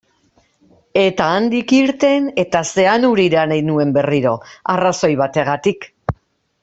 Eta handik irten eta Zeanurira nahi nuen berriro, arrazoi bategatik.